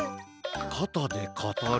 かたでかたる。